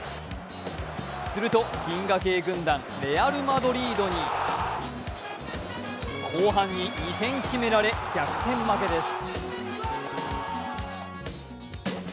すると銀河系軍団レアル・マドリードに後半に２点決められ、逆転負けです。